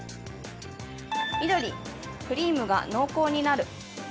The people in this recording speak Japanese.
緑・クリームが濃厚になる。